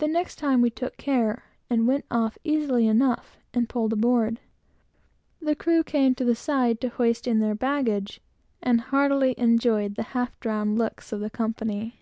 The next time we took care, and went off easily enough, and pulled aboard. The crew came to the side to hoist in their baggage, and we gave them the wink, and they heartily enjoyed the half drowned looks of the company.